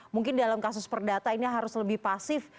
mungkin dalam kasus perdata ini harus lebih pasif